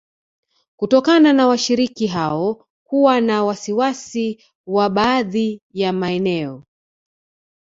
Kutokana na washiriki hao kuwa na wasiwasi wa baadhi ya maeneo